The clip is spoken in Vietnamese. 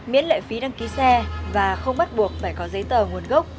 miễn lệ phí đăng ký xe và không bắt buộc phải có giấy tờ nguồn gốc